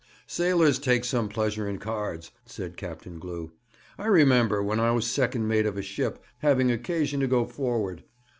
'Sailors take some pleasure in cards,' said Captain Glew. 'I remember, when I was second mate of a ship, having occasion to go forward.